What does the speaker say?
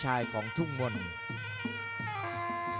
ฮีวอร์เป็นฮีวอร์เป็นฮีวอร์